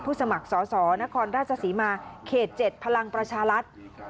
ผู้สมัครสรนครราชศรีมาเขต๗พลังประชาลัทธรรม